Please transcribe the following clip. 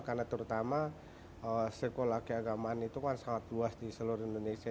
karena terutama sekolah keagamaan itu kan sangat luas di seluruh indonesia